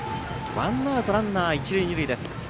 ワンアウト、ランナー一塁二塁です。